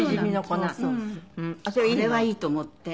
これはいいと思って。